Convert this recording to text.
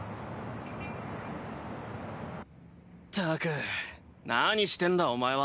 ⁉（社長ったく何してんだお前